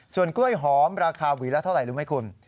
ส่วนกล้วยหอมราคาหวีละเท่าไหร่รู้ไหมคุณ